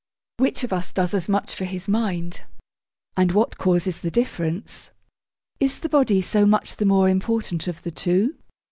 Which of us does as much for his mind? And what causes the difference? Is the body so much the more important of the two?